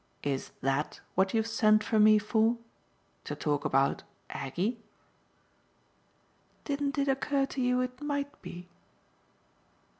"Is THAT what you've sent for me for to talk about Aggie?" "Didn't it occur to you it might be?"